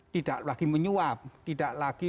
tidak lagi menyuap tidak lagi